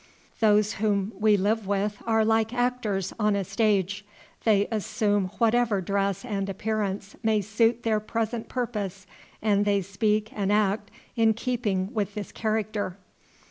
Those whom we live with are like actors on a stage; they assume whatever dress and appearance may suit their present purpose, and they speak and act in keeping with this character.